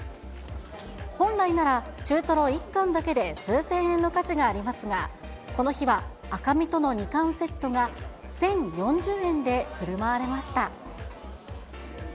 本来なら、中トロ１貫だけで数千円の価値がありますが、この日は、赤身との２貫セットが１０４０円でふるまわれました。